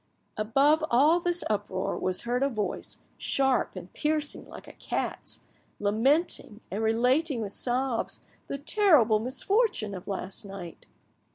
Above all this uproar was heard a voice, sharp and piercing like a cat's, lamenting, and relating with sobs the terrible misfortune of last night.